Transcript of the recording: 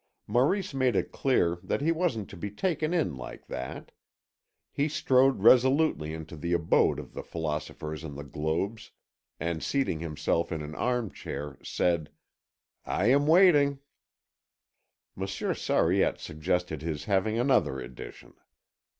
Maurice made it clear that he wasn't to be taken in like that. He strode resolutely into the abode of the philosophers and the globes and seating himself in an arm chair said: "I am waiting." Monsieur Sariette suggested his having another edition.